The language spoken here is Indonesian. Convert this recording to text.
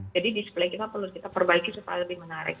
jadi display kita perlu kita perbaiki supaya lebih menarik